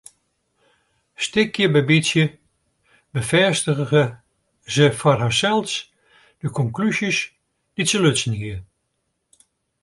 Stikje by bytsje befêstige se foar harsels de konklúzjes dy't se lutsen hie.